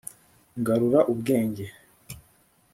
ngarura ubwenge.